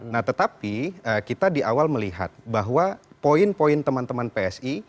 nah tetapi kita di awal melihat bahwa poin poin teman teman psi